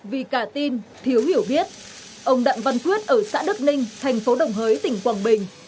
vì cả tin thiếu hiểu biết ông đặng văn quyết ở xã đức linh thành phố đồng hới tỉnh quảng bình